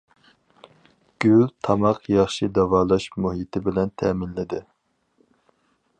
گۈل، تاماق، ياخشى داۋالاش مۇھىتى بىلەن تەمىنلىدى.